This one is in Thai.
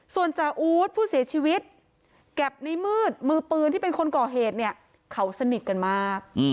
ส่วนจาอู๊ดผู้เสียชีวิตกับในมืดมือปืนที่เป็นคนก่อเหตุเนี่ยเขาสนิทกันมาก